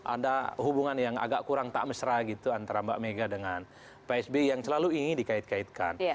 ada hubungan yang agak kurang tak mesra gitu antara mbak mega dengan psb yang selalu ingin dikait kaitkan